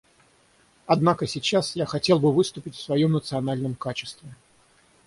Однако сейчас я хотел бы выступить в своем национальном качестве.